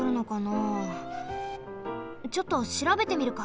ちょっとしらべてみるか。